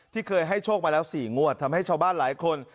เคยให้โชคมาแล้ว๔งวดทำให้ชาวบ้านหลายคน